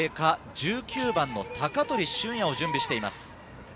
１９番の鷹取駿也を準備しています。